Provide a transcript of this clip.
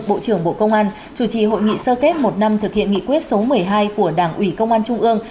bộ trưởng bộ công an chủ trì hội nghị sơ kết một năm thực hiện nghị quyết số một mươi hai của đảng ủy công an trung ương